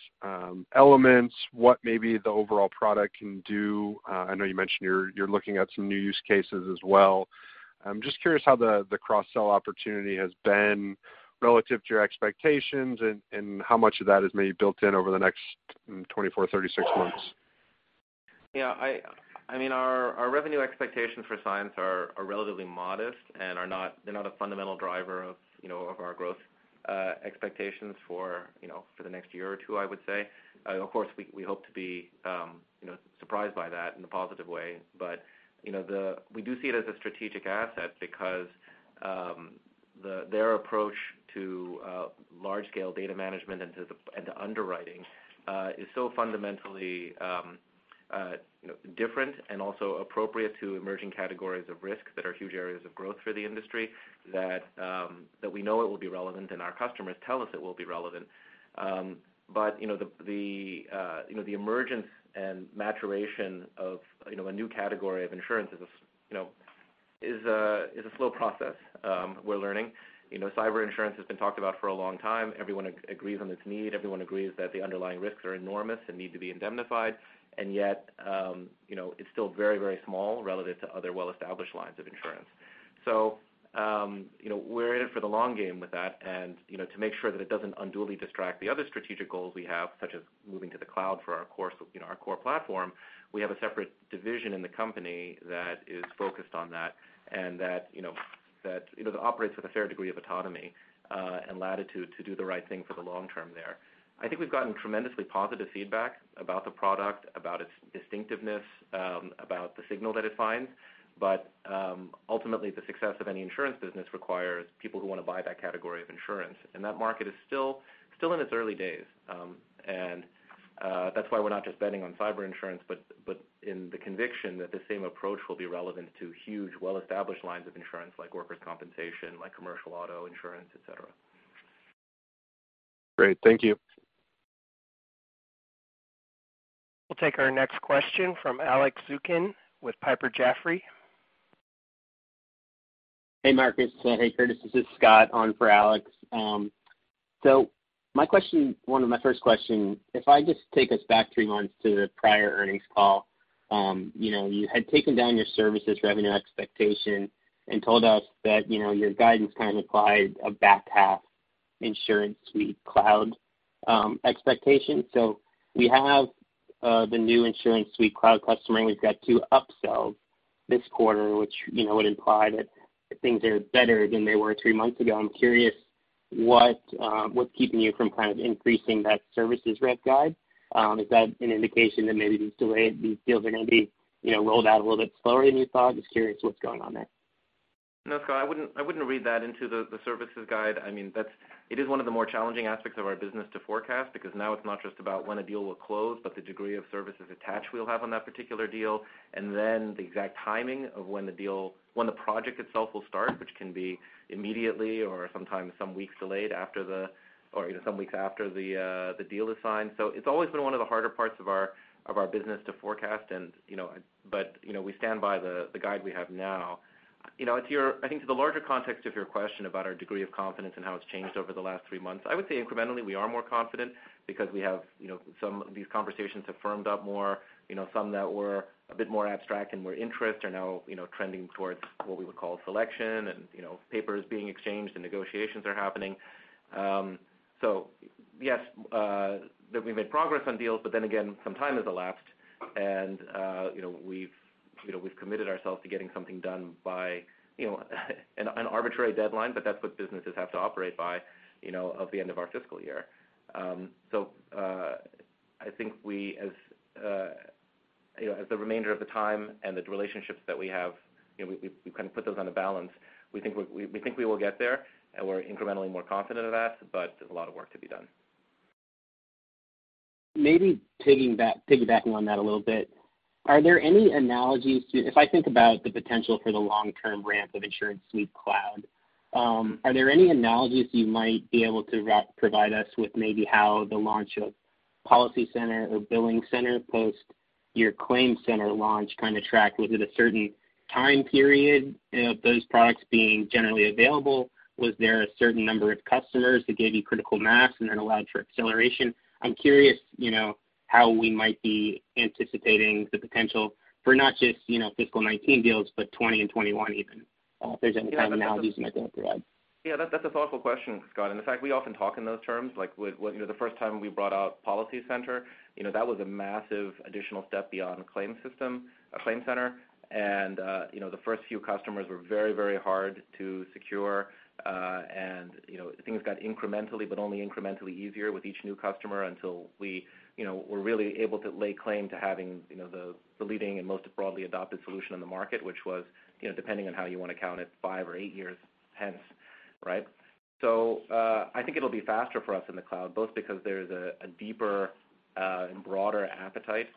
elements? What may be the overall product can do? I know you mentioned you're looking at some new use cases as well. I'm just curious how the cross-sell opportunity has been relative to your expectations and how much of that is maybe built in over the next 24, 36 months. Yeah. Our revenue expectations for Cyence are relatively modest and they're not a fundamental driver of our growth expectations for the next year or two, I would say. Of course, we hope to be surprised by that in a positive way. We do see it as a strategic asset because their approach to large scale data management and to underwriting is so fundamentally different and also appropriate to emerging categories of risk that are huge areas of growth for the industry, that we know it will be relevant, and our customers tell us it will be relevant. The emergence and maturation of a new category of insurance is a slow process we're learning. Cyber insurance has been talked about for a long time. Everyone agrees on its need. Everyone agrees that the underlying risks are enormous and need to be indemnified. Yet, it's still very small relative to other well-established lines of insurance. We're in it for the long game with that and to make sure that it doesn't unduly distract the other strategic goals we have, such as moving to the cloud for our core platform, we have a separate division in the company that is focused on that, and that operates with a fair degree of autonomy, and latitude to do the right thing for the long term there. I think we've gotten tremendously positive feedback about the product, about its distinctiveness, about the signal that it finds. Ultimately, the success of any insurance business requires people who want to buy that category of insurance. That market is still in its early days. That's why we're not just betting on cyber insurance, but in the conviction that the same approach will be relevant to huge, well-established lines of insurance like workers' compensation, like commercial auto insurance, et cetera. Great. Thank you. We'll take our next question from Alex Zukin with Piper Jaffray. Hey, Marcus. Hey, Curtis. This is Scott on for Alex. My first question, if I just take us back three months to the prior earnings call, you had taken down your services revenue expectation and told us that your guidance kind of implied a back half InsuranceSuite Cloud expectation. We have the new InsuranceSuite Cloud customer, and we've got two upsells this quarter, which would imply that things are better than they were three months ago. I'm curious what's keeping you from kind of increasing that services rev guide? Is that an indication that maybe these deals are going to be rolled out a little bit slower than you thought? Just curious what's going on there. No, Scott, I wouldn't read that into the services guide. It is one of the more challenging aspects of our business to forecast because now it's not just about when a deal will close, but the degree of services attached we'll have on that particular deal. The exact timing of when the project itself will start, which can be immediately or sometimes some weeks after the deal is signed. It's always been one of the harder parts of our business to forecast, but we stand by the guide we have now. I think to the larger context of your question about our degree of confidence and how it's changed over the last three months, I would say incrementally, we are more confident because these conversations have firmed up more. Some that were a bit more abstract and more interest are now trending towards what we would call selection and papers being exchanged and negotiations are happening. Yes, we've made progress on deals, but then again, some time has elapsed and we've committed ourselves to getting something done by an arbitrary deadline, but that's what businesses have to operate by, of the end of our fiscal year. I think as the remainder of the time and the relationships that we have, we kind of put those on a balance. We think we will get there, and we're incrementally more confident of that, but there's a lot of work to be done. Maybe piggybacking on that a little bit, if I think about the potential for the long-term ramp of InsuranceSuite Cloud, are there any analogies you might be able to provide us with maybe how the launch of PolicyCenter or BillingCenter post your ClaimCenter launch kind of tracked? Was it a certain time period of those products being generally available? Was there a certain number of customers that gave you critical mass and then allowed for acceleration? I'm curious how we might be anticipating the potential for not just fiscal 2019 deals, but 2020 and 2021 even. If there's any kind of analogies you might be able to provide. Yeah, that's a thoughtful question, Scott. In fact, we often talk in those terms. Like the first time we brought out PolicyCenter, that was a massive additional step beyond a ClaimCenter. The first few customers were very hard to secure. Things got incrementally, but only incrementally easier with each new customer until we were really able to lay claim to having the leading and most broadly adopted solution in the market, which was, depending on how you want to count it, five or eight years hence, right? I think it'll be faster for us in the cloud, both because there's a deeper, and broader appetite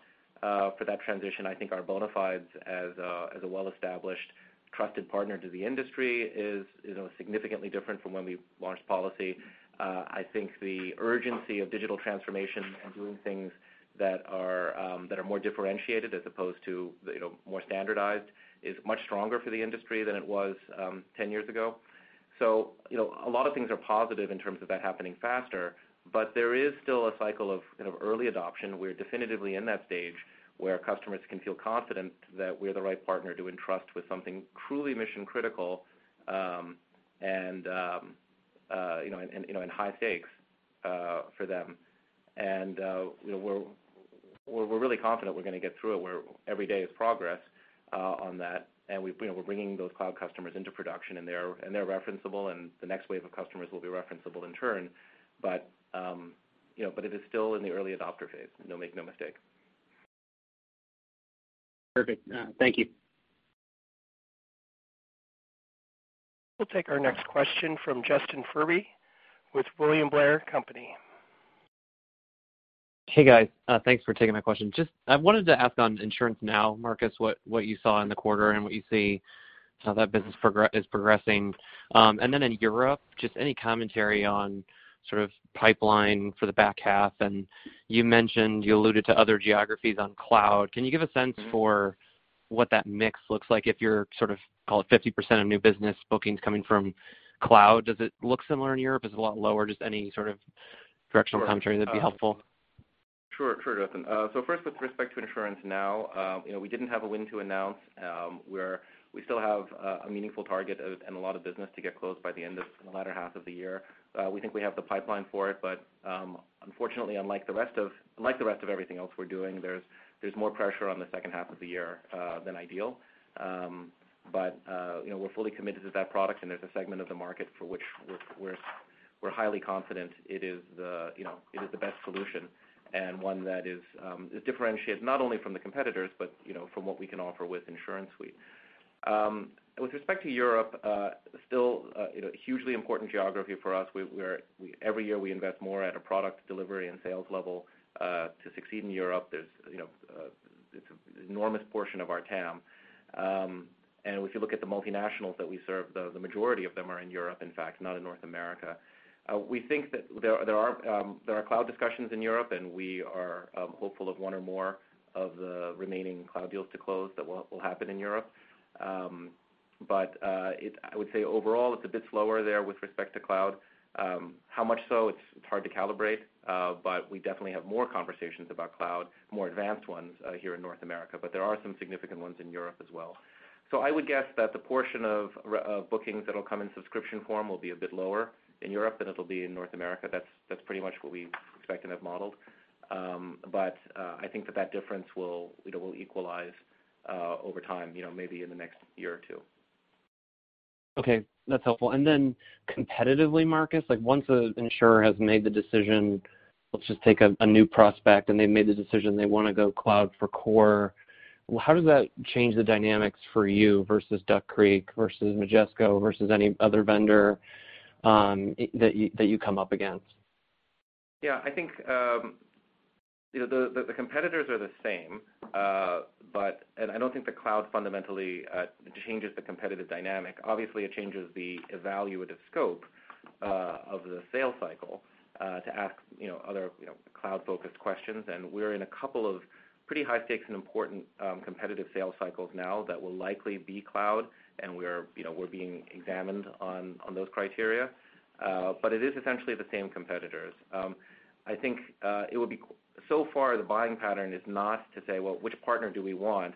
for that transition. I think our bona fides as a well-established trusted partner to the industry is significantly different from when we launched Policy. I think the urgency of digital transformation and doing things that are more differentiated as opposed to more standardized is much stronger for the industry than it was 10 years ago. A lot of things are positive in terms of that happening faster. There is still a cycle of early adoption. We're definitively in that stage where customers can feel confident that we're the right partner to entrust with something truly mission-critical, and high stakes for them. We're really confident we're going to get through it, where every day is progress on that. We're bringing those cloud customers into production, and they're referenceable, and the next wave of customers will be referenceable in turn. It is still in the early adopter phase, make no mistake. Perfect. Thank you. We'll take our next question from Justin Furby with William Blair & Company. Hey, guys. Thanks for taking my question. I wanted to ask on InsuranceNow, Marcus, what you saw in the quarter and what you see how that business is progressing. In Europe, just any commentary on sort of pipeline for the back half. You mentioned you alluded to other geographies on cloud. Can you give a sense for what that mix looks like if you're sort of call it 50% of new business bookings coming from cloud. Does it look similar in Europe? Is it a lot lower? Any sort of directional commentary that'd be helpful. Sure, Justin. First, with respect to InsuranceNow, we didn't have a win to announce. We still have a meaningful target and a lot of business to get closed by the end of the latter half of the year. We think we have the pipeline for it, but unfortunately, unlike the rest of everything else we're doing, there's more pressure on the second half of the year than ideal. But we're fully committed to that product, and there's a segment of the market for which we're highly confident it is the best solution and one that is differentiated not only from the competitors, but from what we can offer with InsuranceSuite. With respect to Europe, still a hugely important geography for us. Every year, we invest more at a product delivery and sales level to succeed in Europe. It's an enormous portion of our TAM. If you look at the multinationals that we serve, the majority of them are in Europe, in fact, not in North America. We think that there are cloud discussions in Europe, and we are hopeful of one or more of the remaining cloud deals to close that will happen in Europe. I would say overall, it's a bit slower there with respect to cloud. How much so, it's hard to calibrate. We definitely have more conversations about cloud, more advanced ones here in North America, but there are some significant ones in Europe as well. I would guess that the portion of bookings that'll come in subscription form will be a bit lower in Europe than it'll be in North America. That's pretty much what we expect and have modeled. But I think that difference will equalize over time, maybe in the next year or two. Okay. That's helpful. Competitively, Marcus, once an insurer has made the decision, let's just take a new prospect and they've made the decision they want to go cloud for core, how does that change the dynamics for you versus Duck Creek, versus Majesco, versus any other vendor that you come up against? Yeah, I think the competitors are the same, and I don't think the cloud fundamentally changes the competitive dynamic. Obviously, it changes the evaluative scope of the sales cycle to ask other cloud-focused questions, and we're in a couple of pretty high stakes and important competitive sales cycles now that will likely be cloud, and we're being examined on those criteria. It is essentially the same competitors. I think so far the buying pattern is not to say, "Well, which partner do we want?"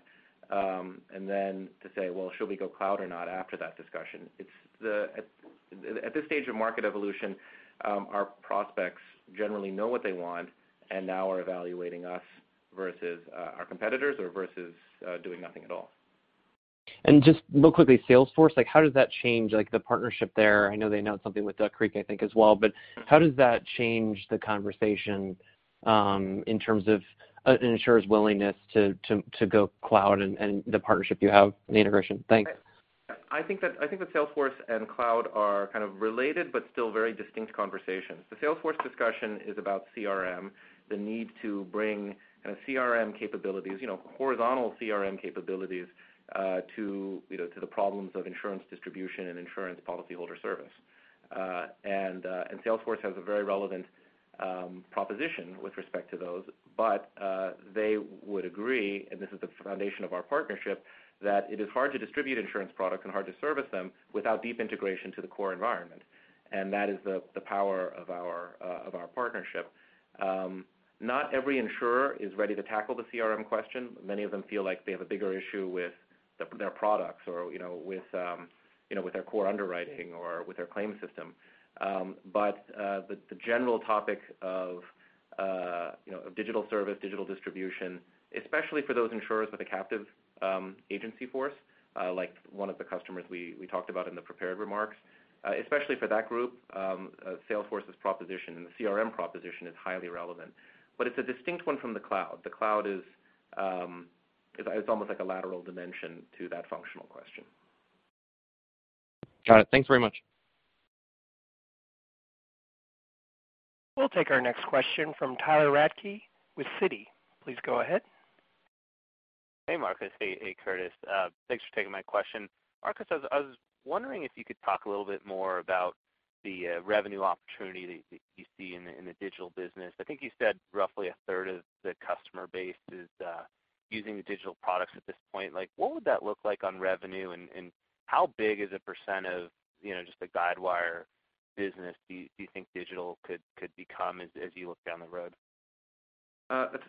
Then to say, "Well, should we go cloud or not?" after that discussion. At this stage of market evolution, our prospects generally know what they want and now are evaluating us versus our competitors or versus doing nothing at all. Just real quickly, Salesforce, how does that change the partnership there? I know they announced something with Duck Creek, I think, as well, but how does that change the conversation in terms of an insurer's willingness to go cloud and the partnership you have and the integration? Thanks. I think that Salesforce and cloud are kind of related but still very distinct conversations. The Salesforce discussion is about CRM, the need to bring CRM capabilities, horizontal CRM capabilities to the problems of insurance distribution and insurance policyholder service. Salesforce has a very relevant proposition with respect to those. They would agree, and this is the foundation of our partnership, that it is hard to distribute insurance product and hard to service them without deep integration to the core environment. That is the power of our partnership. Not every insurer is ready to tackle the CRM question. Many of them feel like they have a bigger issue with their products or with their core underwriting or with their claims system. The general topic of digital service, digital distribution, especially for those insurers with a captive agency force, like one of the customers we talked about in the prepared remarks, especially for that group, Salesforce's proposition and the CRM proposition is highly relevant. It's a distinct one from the cloud. The cloud is almost like a lateral dimension to that functional question. Got it. Thanks very much. We'll take our next question from Tyler Radke with Citi. Please go ahead. Hey, Marcus. Hey, Curtis. Thanks for taking my question. Marcus, I was wondering if you could talk a little bit more about the revenue opportunity that you see in the digital business. I think you said roughly a third of the customer base is using the digital products at this point. What would that look like on revenue, and how big is the % of just the Guidewire business do you think digital could become as you look down the road?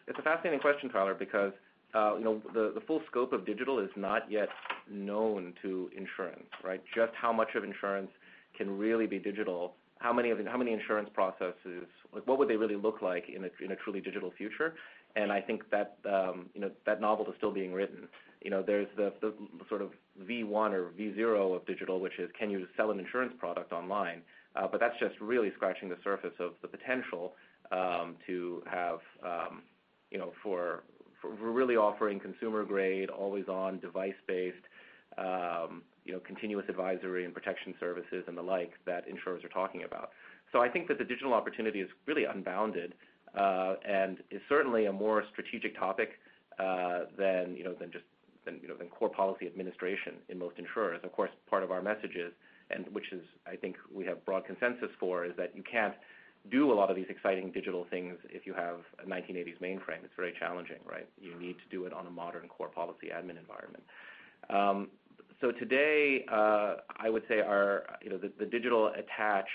It's a fascinating question, Tyler, because the full scope of digital is not yet known to insurance, right? Just how much of insurance can really be digital? How many insurance processes, what would they really look like in a truly digital future? I think that novel is still being written. There's the sort of V1 or V0 of digital, which is can you sell an insurance product online? That's just really scratching the surface of the potential to have for really offering consumer-grade, always-on, device-based continuous advisory and protection services and the like that insurers are talking about. I think that the digital opportunity is really unbounded. It's certainly a more strategic topic than just core policy administration in most insurers. Of course, part of our message is, which is I think we have broad consensus for, is that you can't do a lot of these exciting digital things if you have a 1980s mainframe. It's very challenging, right? You need to do it on a modern core policy admin environment. Today, I would say the digital attach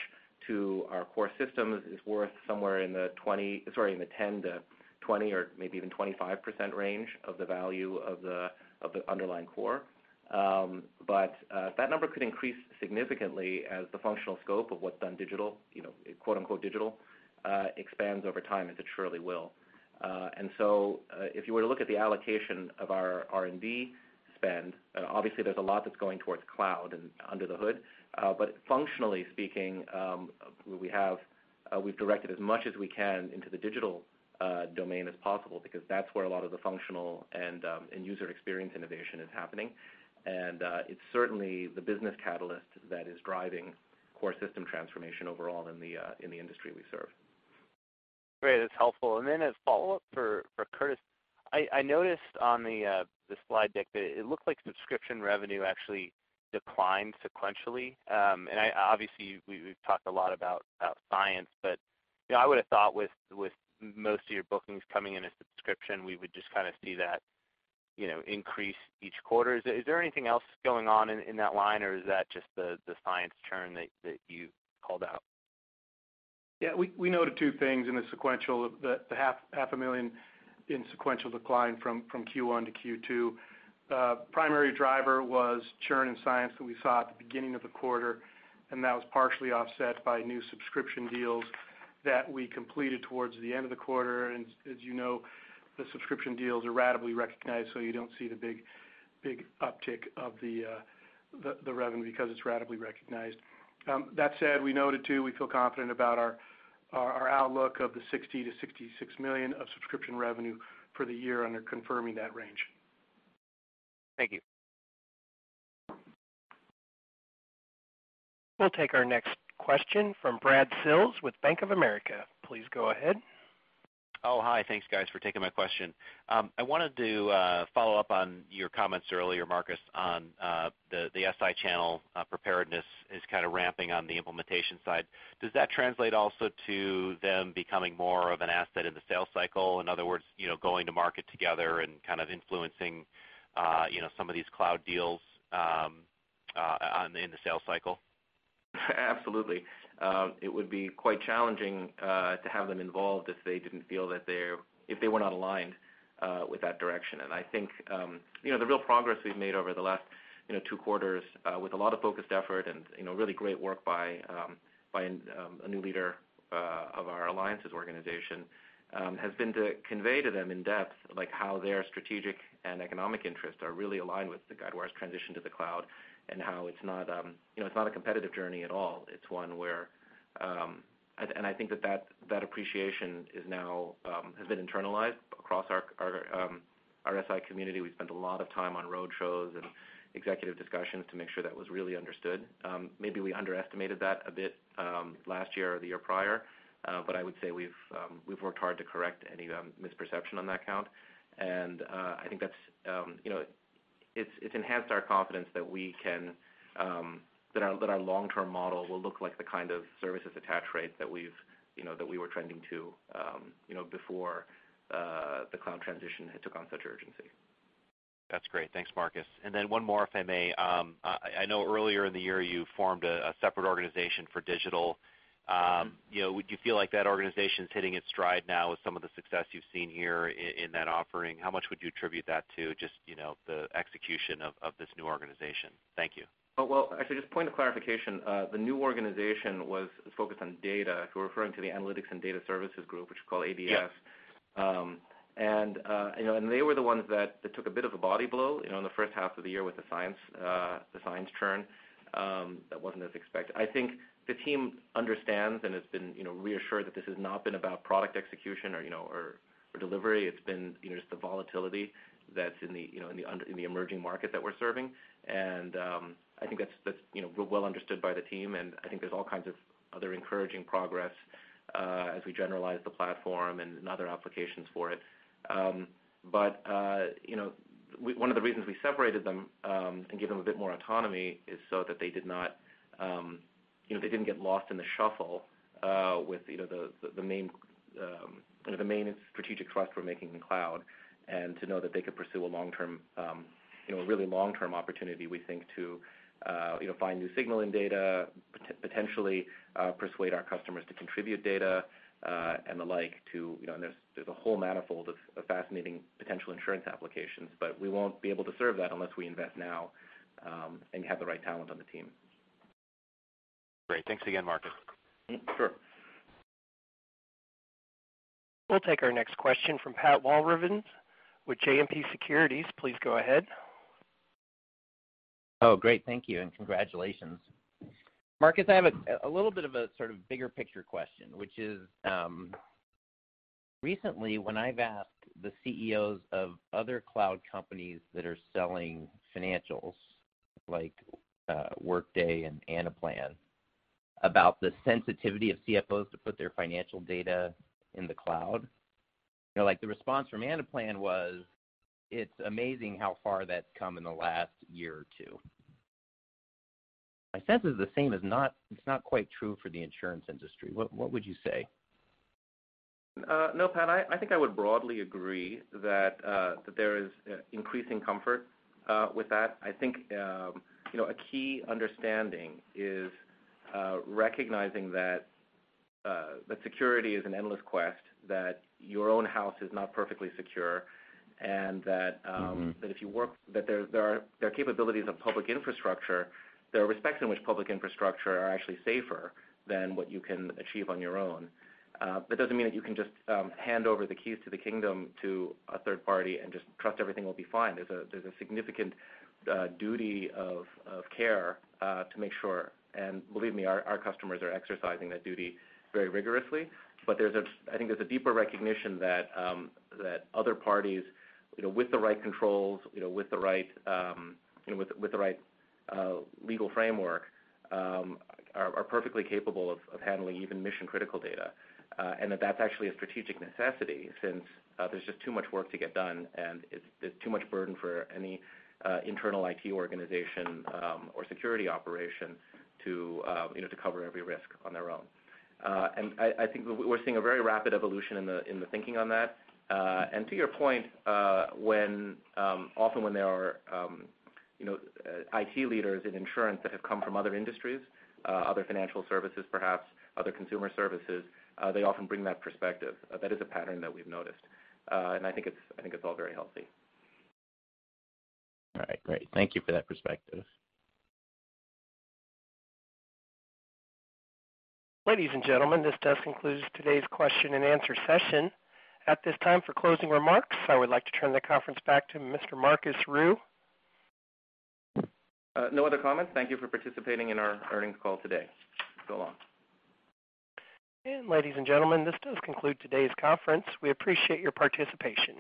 to our core systems is worth somewhere in the 10%-20%, or maybe even 25% range of the value of the underlying core. That number could increase significantly as the functional scope of what's done digital, quote unquote digital, expands over time, as it surely will. If you were to look at the allocation of our R&D spend, obviously there's a lot that's going towards cloud and under the hood. Functionally speaking, we've directed as much as we can into the digital domain as possible because that's where a lot of the functional and user experience innovation is happening. It's certainly the business catalyst that is driving core system transformation overall in the industry we serve. Great. That's helpful. Then as follow-up for Curtis, I noticed on the slide deck that it looked like subscription revenue actually declined sequentially. Obviously, we've talked a lot about Cyence, but I would've thought with most of your bookings coming in a subscription, we would just kind of see that increase each quarter. Is there anything else going on in that line, or is that just the Cyence churn that you called out? We noted two things in the sequential, the half a million in sequential decline from Q1 to Q2. Primary driver was churn in Cyence that we saw at the beginning of the quarter, that was partially offset by new subscription deals that we completed towards the end of the quarter. As you know, the subscription deals are ratably recognized, you don't see the big uptick of the revenue because it's ratably recognized. That said, we noted too, we feel confident about our outlook of the $60 million-$66 million of subscription revenue for the year and are confirming that range. Thank you. We'll take our next question from Brad Sills with Bank of America. Please go ahead. Oh, hi. Thanks, guys, for taking my question. I wanted to follow up on your comments earlier, Marcus, on the SI channel preparedness is kind of ramping on the implementation side. Does that translate also to them becoming more of an asset in the sales cycle? In other words, going to market together and kind of influencing some of these cloud deals in the sales cycle? Absolutely. It would be quite challenging to have them involved if they were not aligned with that direction. I think the real progress we've made over the last two quarters with a lot of focused effort and really great work by a new leader of our alliances organization, has been to convey to them in depth how their strategic and economic interests are really aligned with Guidewire's transition to the cloud, and how it's not a competitive journey at all. I think that that appreciation now has been internalized across our SI community. We spent a lot of time on road shows and executive discussions to make sure that was really understood. Maybe we underestimated that a bit last year or the year prior, I would say we've worked hard to correct any misperception on that count. I think it's enhanced our confidence that our long-term model will look like the kind of services attach rate that we were trending to before the cloud transition had took on such urgency. That's great. Thanks, Marcus. One more, if I may. I know earlier in the year, you formed a separate organization for digital. Would you feel like that organization's hitting its stride now with some of the success you've seen here in that offering? How much would you attribute that to just the execution of this new organization? Thank you. Well, actually, just a point of clarification. The new organization was focused on data. If you're referring to the analytics and data services group, which we call ADS. Yeah. They were the ones that took a bit of a body blow in the first half of the year with the Cyence churn that wasn't as expected. I think the team understands and has been reassured that this has not been about product execution or delivery. It's been just the volatility that's in the emerging market that we're serving. I think that's real well understood by the team, I think there's all kinds of other encouraging progress as we generalize the platform and other applications for it. One of the reasons we separated them and gave them a bit more autonomy is so that they didn't get lost in the shuffle with the main strategic thrust we're making in the cloud. To know that they could pursue a really long-term opportunity, we think, to find new signal in data, potentially persuade our customers to contribute data, and the like to There's a whole manifold of fascinating potential insurance applications, but we won't be able to serve that unless we invest now and have the right talent on the team. Great. Thanks again, Marcus. Sure. We'll take our next question from Pat Walravens with JMP Securities. Please go ahead. Great. Thank you, and congratulations. Marcus, I have a little bit of a sort of bigger picture question, which is, recently when I've asked the CEOs of other cloud companies that are selling financials, like Workday and Anaplan, about the sensitivity of CFOs to put their financial data in the cloud. The response from Anaplan was, it's amazing how far that's come in the last year or two. My sense is the same is not quite true for the insurance industry. What would you say? Pat, I think I would broadly agree that there is increasing comfort with that. I think a key understanding is recognizing that security is an endless quest, that your own house is not perfectly secure, and that there are capabilities of public infrastructure. There are respects in which public infrastructure are actually safer than what you can achieve on your own. That doesn't mean that you can just hand over the keys to the kingdom to a third party and just trust everything will be fine. There's a significant duty of care to make sure, and believe me, our customers are exercising that duty very rigorously. I think there's a deeper recognition that other parties with the right controls, with the right legal framework, are perfectly capable of handling even mission-critical data, and that that's actually a strategic necessity since there's just too much work to get done and it's too much burden for any internal IT organization or security operation to cover every risk on their own. I think we're seeing a very rapid evolution in the thinking on that. To your point, often when there are IT leaders in insurance that have come from other industries, other financial services perhaps, other consumer services, they often bring that perspective. That is a pattern that we've noticed, and I think it's all very healthy. All right, great. Thank you for that perspective. Ladies and gentlemen, this does conclude today's question and answer session. At this time, for closing remarks, I would like to turn the conference back to Mr. Marcus Ryu. No other comments. Thank you for participating in our earnings call today. So long. Ladies and gentlemen, this does conclude today's conference. We appreciate your participation.